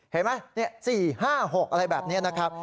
เห็นไหม๔๕๖อะไรแบบนี้นะครับ